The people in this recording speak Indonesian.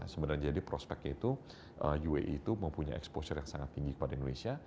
sebenarnya jadi prospeknya itu uae itu mempunyai exposure yang sangat tinggi kepada indonesia